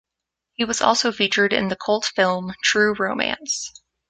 He was also featured in the cult film "True Romance".